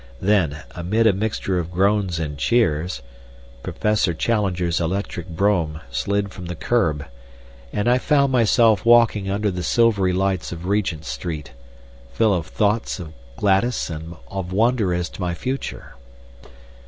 Then, amid a mixture of groans and cheers, Professor Challenger's electric brougham slid from the curb, and I found myself walking under the silvery lights of Regent Street, full of thoughts of Gladys and of wonder as to my future.